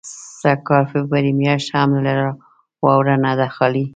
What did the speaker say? سږ کال فبروري میاشت هم له واورو نه ده خالي.